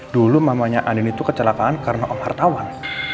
dulu mamanya andin itu kecelakaan karena om hartawan